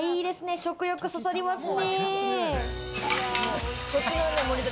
食欲そそりますね。